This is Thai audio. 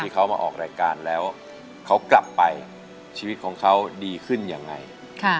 เขามาออกรายการแล้วเขากลับไปชีวิตของเขาดีขึ้นยังไง